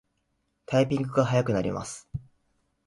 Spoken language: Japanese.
タイピングが早くなります